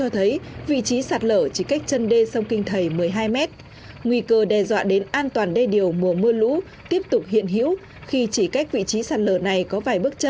tại thời điểm kiểm tra